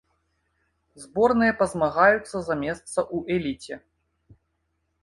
Зборныя пазмагаюцца за месца ў эліце.